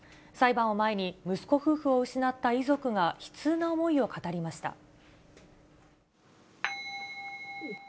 裁判を前に、息子夫婦を失った遺族が、悲痛な思いを語りました。